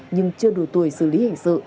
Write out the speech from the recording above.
nhưng chưa đủ tuổi xử lý hình sự